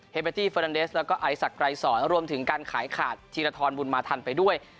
เบตี้เฟอร์นันเดสแล้วก็ไอศักดรายสอนรวมถึงการขายขาดธีรทรบุญมาทันไปด้วย